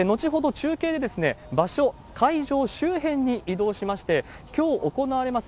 中継で場所、会場周辺に移動しまして、きょう行われます